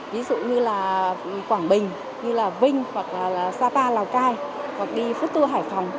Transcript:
ví dụ như quảng bình vinh sapa lào cai hoặc đi phút tư hải phòng